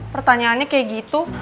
pertanyaannya kayak gitu